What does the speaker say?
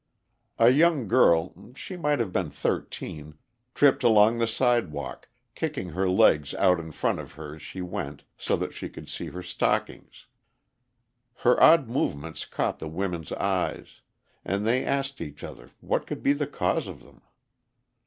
A young girl—she might have been thirteen—tripped along the sidewalk, kicking her legs out in front of her as she went, so that she could see her stockings. Her odd movements caught the women's eyes, and they asked each other what could be the cause of them.